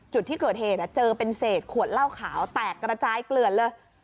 จุดที่เกิดเหตุเจอเป็นเศษขวดเหล้าขาวแตกระจายเกลือนเลย